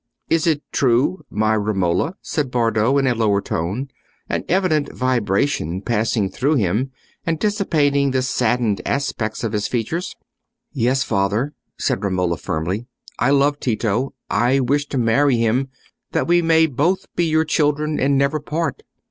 "Is it true, my Romola?" said Bardo, in a lower tone, an evident vibration passing through him and dissipating the saddened aspect of his features. "Yes, father," said Romola, firmly. "I love Tito—I wish to marry him, that we may both be your children and never part."